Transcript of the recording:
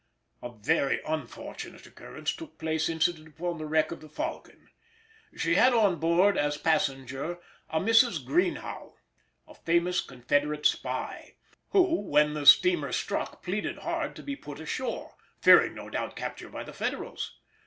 A very unfortunate occurrence took place incident upon the wreck of the Falcon. She had on board as passenger a Mrs. Greenhow, a famous Confederate spy, who, when the steamer struck, pleaded hard to be put ashore, fearing no doubt capture by the Federals.